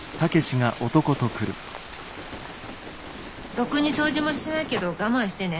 ろくに掃除もしてないけど我慢してね。